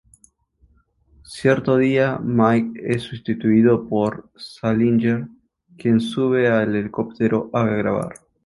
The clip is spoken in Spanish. Cierto día, Mike es sustituido por Salinger, quien sube al helicóptero a grabar.